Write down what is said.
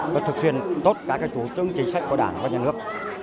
và thực hiện tốt cả chủ trương chính sách của đảng và nhân hợp